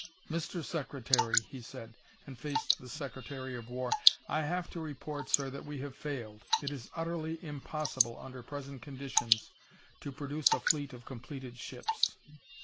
"Mr. Secretary," he said, and faced the Secretary of War, "I have to report, sir, that we have failed. It is utterly impossible, under present conditions, to produce a fleet of completed ships.